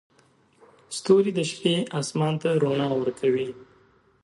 ستوري د شپې اسمان ته رڼا ورکوي.